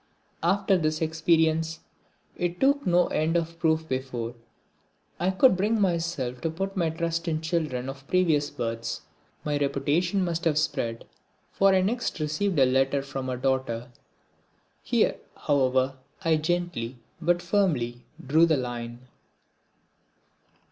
After this experience it took no end of proof before I could bring myself to put my trust in children of previous births. My reputation must have spread for I next received a letter from a daughter. Here, however, I gently but firmly drew the line.